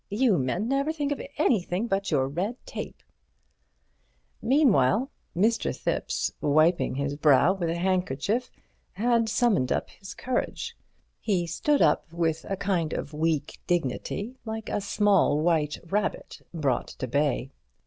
You men never think of anything but your red tape." Meanwhile Mr. Thipps, wiping his brow with a handkerchief, had summoned up courage. He stood up with a kind of weak dignity, like a small white rabbit brought to bay.